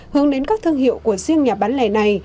hướng đến các thương hiệu của riêng nhà bán lẻ này